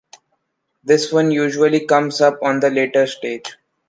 This one usually comes up on the later stage.